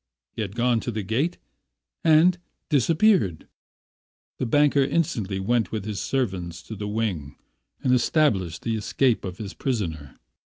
He had gone to the gate and disappeared. The banker instantly went with his servants to the wing and established the escape of his prisoner.